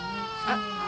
あっ！